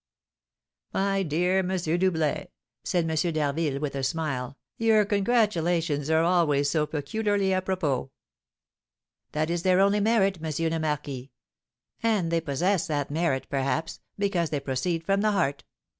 "My dear M. Doublet," said M. d'Harville, with a smile, "your congratulations are always so peculiarly apropos." "That is their only merit, M. le Marquis; and they possess that merit, perhaps, because they proceed from the heart.